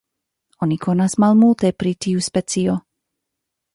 Oni konas malmulte pri tiu specio.